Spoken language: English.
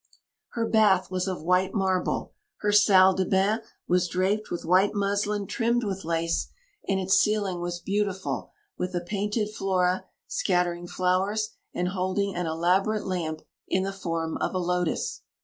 Her bath was of white marble; her salle de bain was draped with white muslin trimmed with lace, and its ceiling was beautiful with a painted Flora scattering flowers and holding an elaborate lamp in the form of a lotus.